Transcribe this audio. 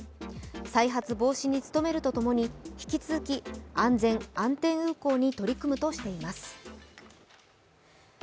再発防止に努めるとともに引き続き、安全・安定運行に取り組むとしています。